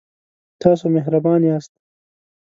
تاسو مهربان یاست